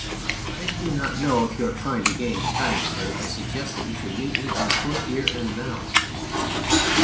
I do not know if you are trying to gain time, sir. I suggest that you should meet me on foot here and now.